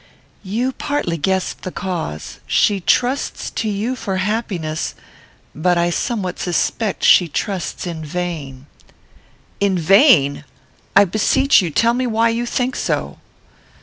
"You partly guessed the cause. She trusts to you for happiness, but I somewhat suspect she trusts in vain." "In vain! I beseech you, tell me why you think so."